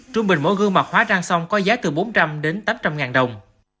trung bình mỗi gương mặt hóa trang xong có giá từ bốn trăm linh đến tám trăm linh ngàn đồng